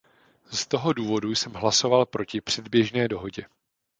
Z toho důvodu jsem hlasoval proti předběžné dohodě.